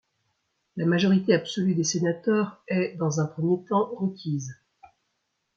La majorité absolue des sénateurs est, dans un premier temps, requise.